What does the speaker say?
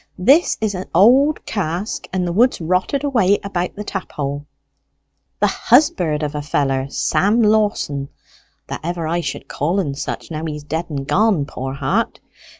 This is a' old cask, and the wood's rotted away about the tap hole. The husbird of a feller Sam Lawson that ever I should call'n such, now he's dead and gone, poor heart!